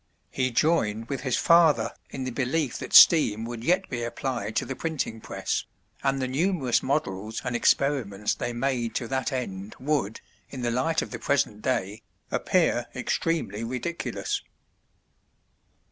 He joined with his father in the belief that steam would yet be applied to the printing press, and the numerous models and experiments they made to that end would, in the light of the present day, appear extremely ridiculous.